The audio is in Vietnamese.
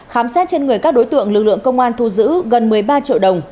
khám xét trên người các đối tượng lực lượng công an thu giữ gần một mươi ba triệu đồng